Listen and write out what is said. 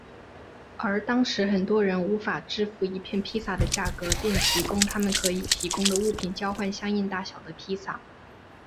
而当时很多人无法支付一片披萨的价格便提供他们可以提供的物品交换相应大小的披萨。